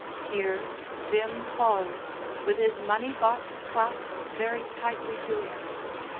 Here Bim paused with his money box clasped very tightly to him.